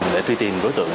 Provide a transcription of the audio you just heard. để truy tìm đối tượng